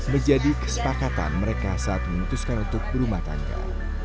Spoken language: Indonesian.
menjadi kesepakatan mereka saat memutuskan untuk berumah tangga